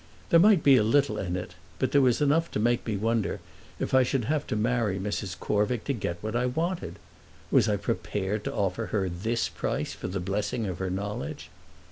There might be little in it, but there was enough to make me wonder if I should have to marry Mrs. Corvick to get what I wanted. Was I prepared to offer her this price for the blessing of her knowledge?